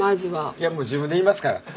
いやもう自分で言いますから。